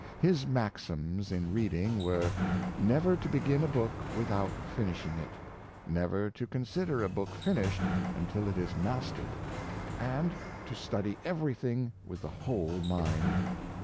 His maxims in reading were, *' never to begin a book with out finishing it; "'^ never to consider a book finished until it is mastered; " and '^ to study everything with the whole mind."